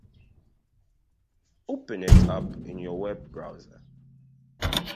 Open it up in your web browser